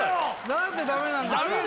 何でダメなんですか？